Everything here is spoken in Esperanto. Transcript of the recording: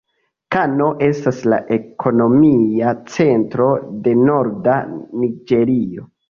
Kano estas la ekonomia centro de norda Niĝerio.